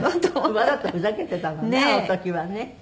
わざとふざけてたのねあの時はね。